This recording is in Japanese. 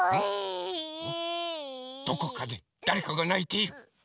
どこかでだれかがないている！